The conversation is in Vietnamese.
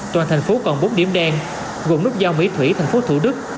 toàn thành phố còn bốn điểm đen gồm núp giao mỹ thủy tp thủ đức